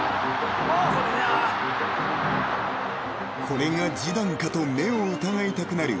［これがジダンかと目を疑いたくなる］